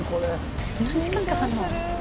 何時間かかるの？